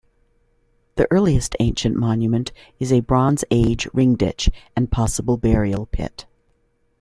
The earliest ancient monument is a Bronze Age ring ditch and possible burial pit.